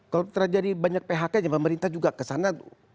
kalau terjadi banyak phk pemerintah juga kesana tuh